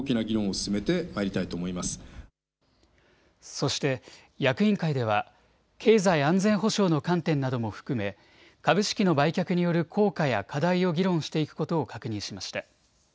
そして役員会では経済安全保障の観点なども含め株式の売却による効果や課題を議論していくことを確認しました。